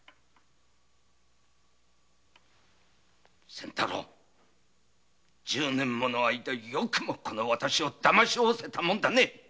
仙太郎１０年もの間よくもこの私をだましてたもんだね。